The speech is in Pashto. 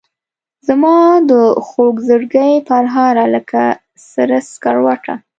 زمادخوږزړګي پرهاره لکه سره سکروټه